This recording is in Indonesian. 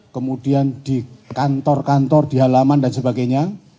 kemudian di kantor kantor di halaman dan sebagainya